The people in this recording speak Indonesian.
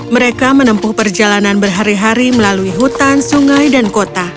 mereka menempuh perjalanan berhari hari melalui hutan sungai dan kota